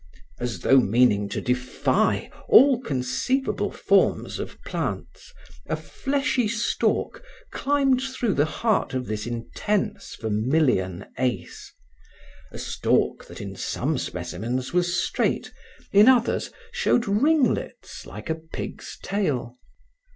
As though meaning to defy all conceivable forms of plants, a fleshy stalk climbed through the heart of this intense vermilion ace a stalk that in some specimens was straight, in others showed ringlets like a pig's tail.